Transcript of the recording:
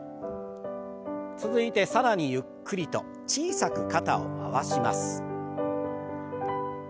続いて更にゆっくりと小さく肩を回します。